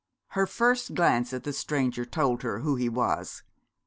Her first glance at the stranger told her who he was.